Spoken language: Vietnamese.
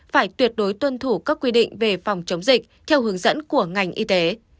phải tuyệt đối tuân thủ các quy định về phòng chống dịch theo hướng dẫn của ngành y tế